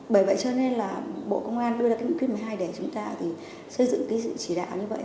bởi vậy cho nên bộ công an đưa ra nghị quyết một mươi hai để chúng ta xây dựng sự chỉ đạo như vậy